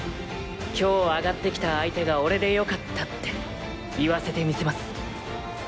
今日上がってきた相手が俺で良かったって言わせてみせます。